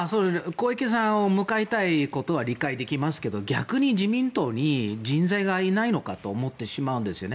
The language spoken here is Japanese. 小池さんを迎えたいことは理解できますけど逆に自民党に人材がいないのかと思ってしまうんですよね。